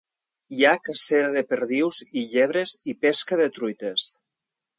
Hi ha cacera de perdius i llebres i pesca de truites.